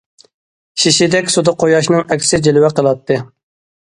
شېشىدەك سۇدا قۇياشنىڭ ئەكسى جىلۋە قىلاتتى.